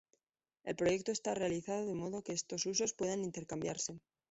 El proyecto está realizado de modo que estos usos puedan intercambiarse.